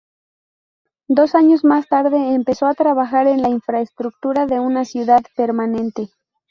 Dos años más tarde, empezó a trabajar en la infraestructura de una ciudad permanente.